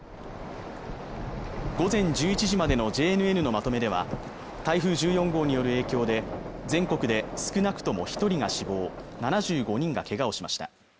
午前１１時までのＪＮＮのまとめでは台風１４号による影響で全国で少なくとも一人が死亡７５人がけがをしました